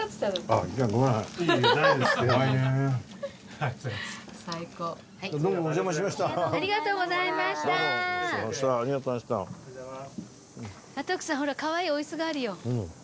あっ徳さんほらかわいいお椅子があるよ。